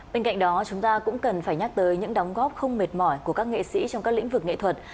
bên cạnh đó chúng ta cũng cần phải nhắc tới những đóng góp không mệt mỏi của các nghệ sĩ trong các lĩnh vực nghệ thuật